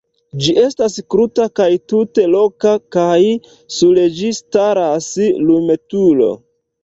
Ĝi estas kruta kaj tute roka kaj sur ĝi staras lumturo.